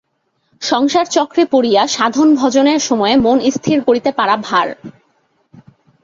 সংসারচক্রে পড়িয়া সাধন-ভজনের সময়ে মন স্থির করিতে পারা ভার।